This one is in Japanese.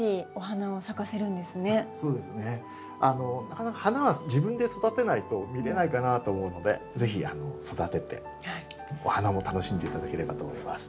なかなか花は自分で育てないと見れないかなと思うので是非育ててお花も楽しんで頂ければと思います。